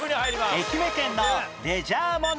愛媛県のレジャー問題